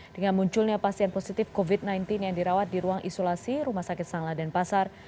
dengan munculnya pasien positif covid sembilan belas yang dirawat di ruang isolasi rumah sakit sangla dan pasar